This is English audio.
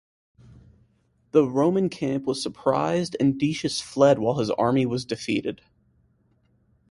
The Roman camp was surprised and Decius fled while his army was defeated.